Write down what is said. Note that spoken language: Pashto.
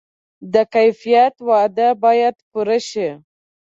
د کیفیت وعده باید پوره شي.